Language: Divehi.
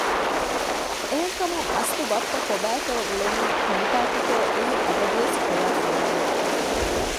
އެހެންކަމުން އަސްލު ބައްޕަ ކޮބައިތޯ އުޅެނީ ކޮންތާކުތޯ އެއީ އަބަދުވެސް ކުރާސުވާލެއް